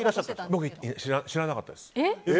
僕は知らなかったです。